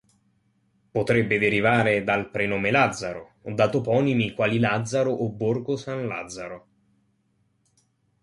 Potrebbe derivare dal prenome Lazzaro o da toponimi quali Lazzaro o Borgo San Lazzaro.